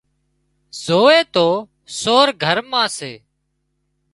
زووي تو سور گھر مان سي